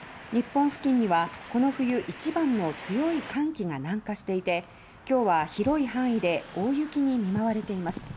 日本付近にはこの冬一番の強い寒気が南下していて今日は広い範囲で大雪に見舞われています。